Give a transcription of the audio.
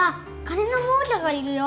金の亡者がいるよ！